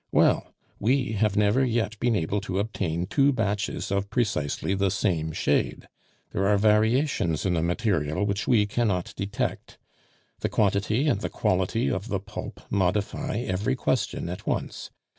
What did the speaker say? Well, we have never yet been able to obtain two batches of precisely the same shade. There are variations in the material which we cannot detect. The quantity and the quality of the pulp modify every question at once.